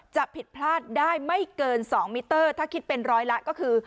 ผิดพลาดได้ไม่เกิน๒มิเตอร์ถ้าคิดเป็นร้อยละก็คือ